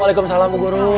waalaikumsalam bu guru